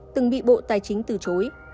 từng bị bộ tài chính từ chối